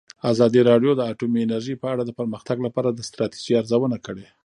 ازادي راډیو د اټومي انرژي په اړه د پرمختګ لپاره د ستراتیژۍ ارزونه کړې.